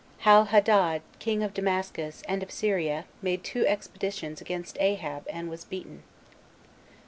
How Hadad King Of Damascus And Of Syria, Made Two Expeditions Against Ahab And Was Beaten.